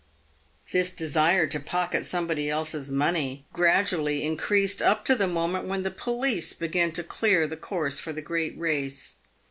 This desire to pocket somebody else's money gradu ally increased up to the moment when the police began to clear the course for the great race.